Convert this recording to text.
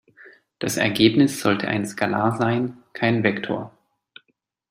Das Ergebnis sollte ein Skalar sein, kein Vektor.